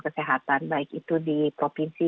kesehatan baik itu di provinsi